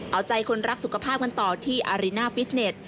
เอาใจคนรักสุขภาพกันต่อที่อาริน่าฟิตเน็ต